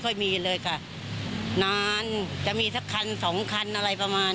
เต็มที่ชั่วโมงค่อค่ะ